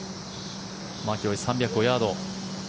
マキロイ、３０５ヤード。